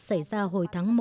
xảy ra hồi tháng ba